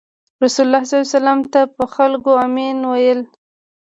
رسول الله ﷺ ته به خلکو “امین” ویل.